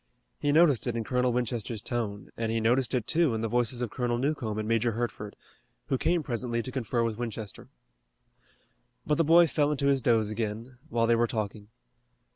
He noticed it in Colonel Winchester's tone, and he noticed it, too, in the voices of Colonel Newcomb and Major Hertford, who came presently to confer with Winchester. But the boy fell into his doze again, while they were talking.